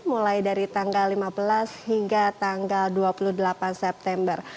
mulai dari tanggal lima belas hingga tanggal dua puluh delapan september